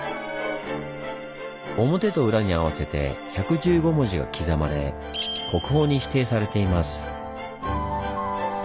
表と裏に合わせて１１５文字が刻まれ国宝に指定されています。